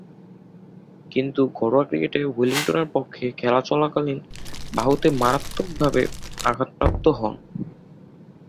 কিন্তু ঘরোয়া ক্রিকেটে ওয়েলিংটনের পক্ষে খেলা চলাকালীন বাহুতে মারাত্মকভাবে আঘাতপ্রাপ্ত হন।